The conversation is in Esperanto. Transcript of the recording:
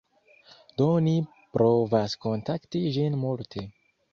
Do ni provas kontakti ĝin multe